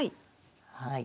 はい。